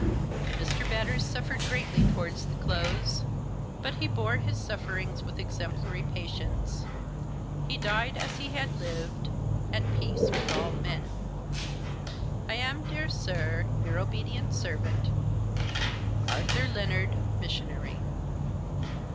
"* Mr. Batters suffered greatly towards the close ; but he bore his sufferings with exemplary patience. He died, as he had lived, at peace with all men. " i I am, Dear Sir, your obedient servant, " 'Arthur Lennard, Missionary.